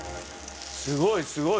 すごいすごい！